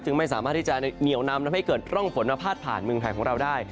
ไม่สามารถที่จะเหนียวนำทำให้เกิดร่องฝนมาพาดผ่านเมืองไทยของเราได้